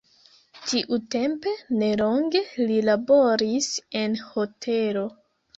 Tiutempe nelonge li laboris en hotelo.